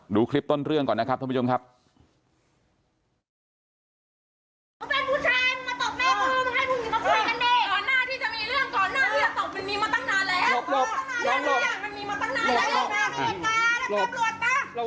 ดูคลิปต้นเรื่องก่อนนะครับท่านผู้ชมครับ